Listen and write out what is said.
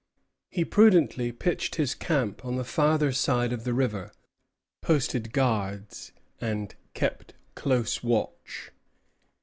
He prudently pitched his camp on the farther side of the river, posted guards, and kept close watch.